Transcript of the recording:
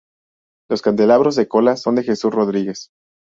Los candelabros de cola son de Jesús Rodríguez.